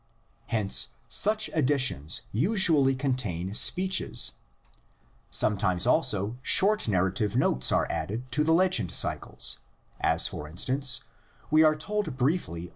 Hence such additions usually contain speeches. Sometimes also short narrative notes are added to the legend cycles, as for instance, we are told briefly THE LEGENDS IN ORAL TRADITION.